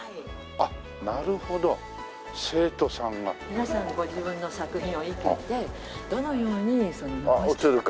皆さんがご自分の作品を生けてどのように。あっ写るか？